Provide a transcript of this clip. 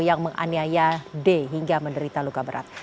yang menganiaya d hingga menderita luka berat